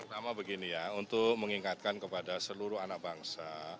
pertama begini ya untuk mengingatkan kepada seluruh anak bangsa